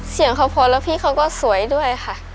เสียงเขาพอแล้วพี่เขาก็สวยด้วยค่ะ